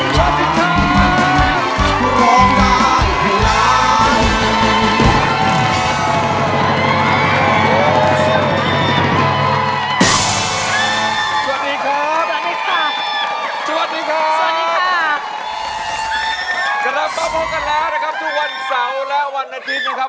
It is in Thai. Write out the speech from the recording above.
จะรับมาพบกันแล้วนะครับทุกวันเสาร์และวันนาทีบนะครับ